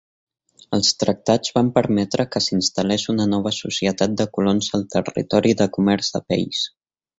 Els tractats van permetre que s'instal·lés una nova societat de colons al territori de comerç de pells.